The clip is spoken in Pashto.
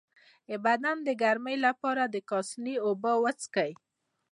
د بدن د ګرمۍ لپاره د کاسني اوبه وڅښئ